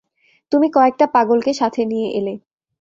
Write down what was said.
তুমি কয়েকটা পাগলকে সাথে নিয়ে এলে।